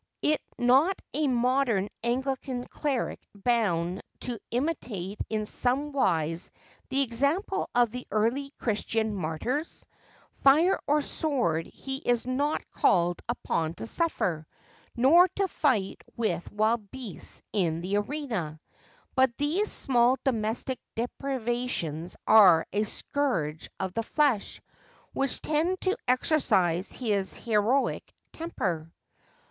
Is not a modern Anglican cleric bound to imitate in somewise the example of the early Christian martyrs ? Fire or sword he is not called upon to suffer, nor to fight with wild beasts in the arena ; but these small domestic deprivations are a scourge of the flesh, which tend to exercise bis heroic temper.